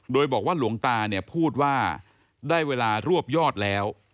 โดยบอกว่าหลวงตาเนี่ยพูดว่าได้เวลารวบยอดแล้ว